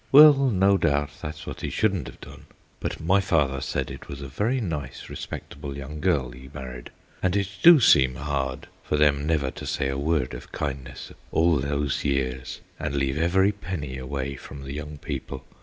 Well, no doubt, that's what he shouldn't have done, but my father said it was a very nice respectable young girl he married, and it do seem hard for them never to say a word of kindness all those years and leave every penny away from the young people.